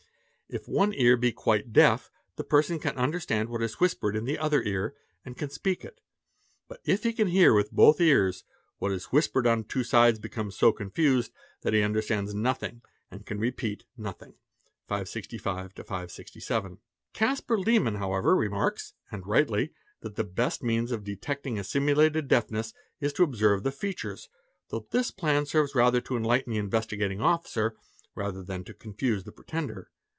If one ear be quite deaf, the person can understand what is whispered in the other ear and can speak it. But if he can hear with both ears, what is whispered on the two sides becomes so confused that he understands nothing and can repeat nothing 65 867), Casper Liman however, remarks, and rightly, that the best means of detecting a simulated deafness is to observe the features, though this plan serves rather to enlighten the Investigating Officer than to confuse the pretender.